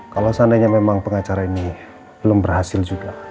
kalau seandainya memang pengacara ini belum berhasil juga